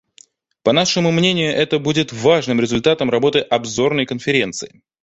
По нашему мнению, это будет важным результатом работы Обзорной конференции.